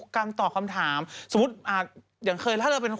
เขาก็จะแบบตอบเลย